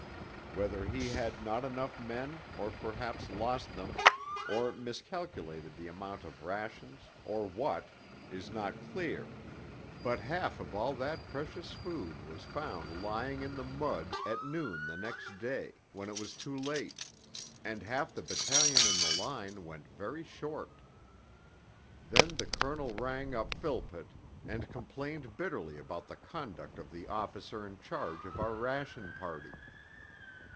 Whether he had not enough men, or perhaps lost them, or miscalculated the amount of rations or what, is not clear, but half of all that precious food was found lying in the mud at noon the next day when it was too late, and half the battalion in the line went very short. Then the Colonel rang up Philpott, and complained bitterly about the conduct of the officer in charge of our ration party.